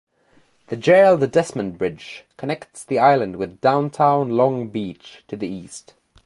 The Gerald Desmond Bridge connects the island with downtown Long Beach to the east.